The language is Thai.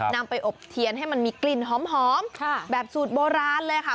นำไปอบเทียนให้มันมีกลิ่นหอมแบบสูตรโบราณเลยค่ะ